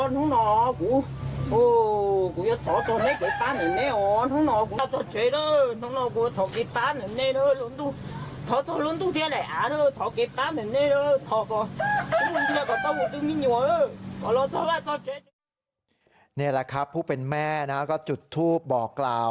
นี่แหละครับผู้เป็นแม่นะก็จุดทูปบอกกล่าว